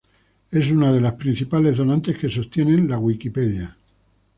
Es una de las principales donantes que sostienen la Wikipedia.